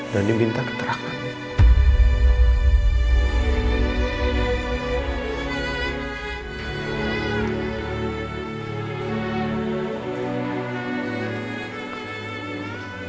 dan diminta keterangan